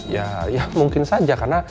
ya ya mungkin saja